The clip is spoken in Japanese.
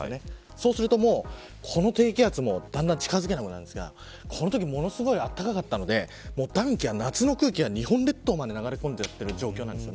そうするとこの低気圧もだんだん近付けなくなるんですがこのときものすごいあったかかったので暖気が、夏の空気が日本列島に流れ込んできている状況なんです。